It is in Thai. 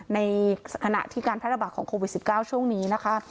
ในขณะที่การแพร่ระบาดของโควิด๑๙ช่วงนี้นะคะ